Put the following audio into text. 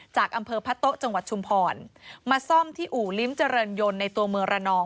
จากอำเภอพะโต๊ะจังหวัดชุมพรมาซ่อมที่อู่ลิ้มเจริญยนต์ในตัวเมืองระนอง